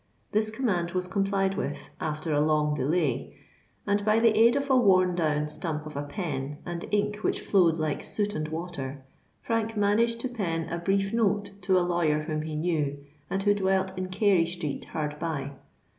This command was complied with, after a long delay; and, by the aid of a worn down stump of a pen and ink which flowed like soot and water, Frank managed to pen a brief note to a lawyer whom he knew, and who dwelt in Carey Street hard by.